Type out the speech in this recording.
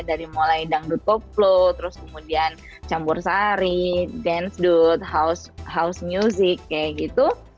dari mulai dangdut poplo terus kemudian campur sari dance dude house music kayak gitu